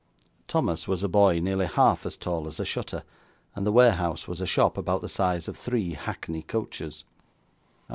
Thomas was a boy nearly half as tall as a shutter, and the warehouse was a shop about the size of three hackney coaches.